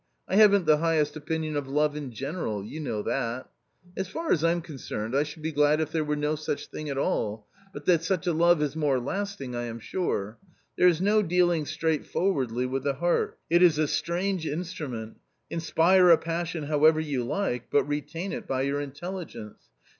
I haven't the highest opinion of love in general — you know that. As far as I'm concerned, I should be glad if there were no such thing at all, but that such a love is more last ing I am sure. There is no dealing straightforwardly with the heart. It is a strange instrument. Inspire a passion however you like, but retain it by your intelligence.